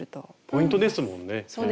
ポイントですもんね。